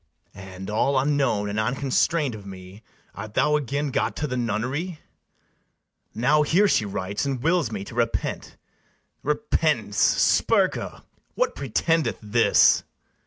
And, all unknown and unconstrain'd of me, Art thou again got to the nunnery? Now here she writes, and wills me to repent: Repentance! Spurca! what pretendeth this?